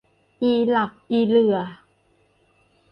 อีหลักอีเหลื่อ